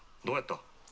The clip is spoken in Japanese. どうやった？」。